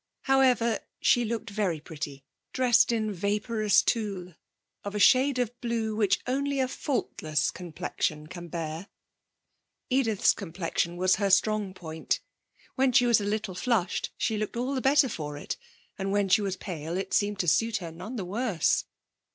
However, she looked very pretty, dressed in vaporous tulle of a shade of blue which only a faultless complexion can bear. Edith's complexion was her strong point. When she was a little flushed she looked all the better for it, and when she was pale it seemed to suit her none the worse.